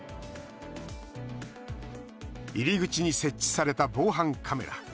入り口に設置された防犯カメラ。